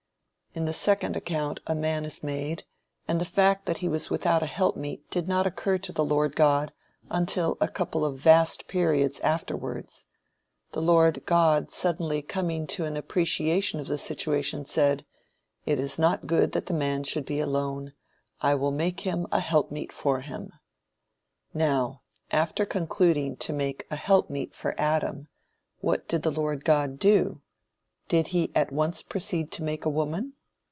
In the second account a man is made, and the fact that he was without a helpmeet did not occur to the Lord God until a couple "of vast periods" afterwards. The Lord God suddenly coming to an appreciation of the situation said, "It is not good that the man should be alone. I will make him a helpmeet for him." Now, after concluding to make "an helpmeet" for Adam, what did the Lord God do? Did he at once proceed to make a woman?